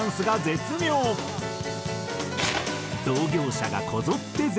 同業者がこぞって絶賛！